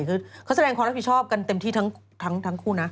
เขาแสดงครอบครักษ์ผิชาพกันเต็มที่ทั้งคู่นะ